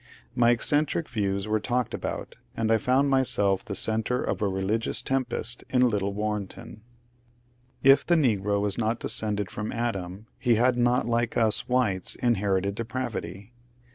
My eccentric views were talked about, and I foimd myself the centre of a religious tempest in little Warrenton. If the negro was not descended from Adam he had not like us whites 90 MONCURE DANIEL CONWAY inherited depravity.